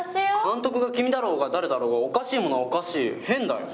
監督が君だろうが誰だろうがおかしいものはおかしいよ。